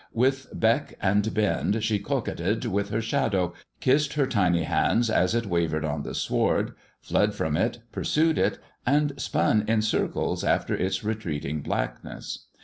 With beck and bend she coquetted with her shadow, kissed her tiny hands as it wavered on the sward, fled from it, pursued it, and spun in circles after its retreating blackness.